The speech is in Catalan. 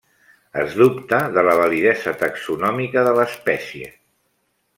Es dubta de la validesa taxonòmica de l'espècie.